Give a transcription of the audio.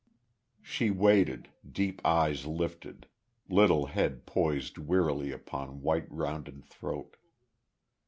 She waited, deep eyes lifted, little head poised wearily upon white, rounded throat.